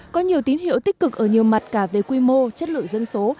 có nhiều tín hiệu tích cực ở nhiều mặt cả về quy mô chất lượng dân số